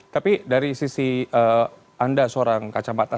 tapi dari sisi anda seorang kacamata